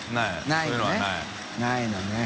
ないのねないのね。